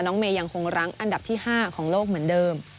เมย์ยังคงรั้งอันดับที่๕ของโลกเหมือนเดิม